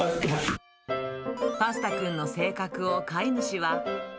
パスタくんの性格を飼い主は。